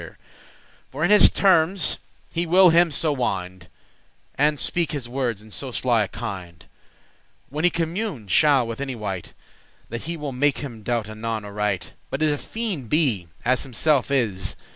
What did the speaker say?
*there is not For in his termes he will him so wind, And speak his wordes in so sly a kind, When he commune shall with any wight, That he will make him doat* anon aright, *become foolishly But it a fiende be, as himself is.